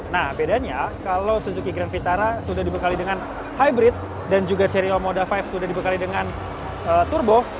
nah bedanya kalau suzuki grand vitara sudah dibekali dengan hybrid dan juga serial moda lima sudah dibekali dengan turbo